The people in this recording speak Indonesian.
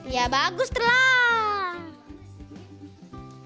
ya bagus telah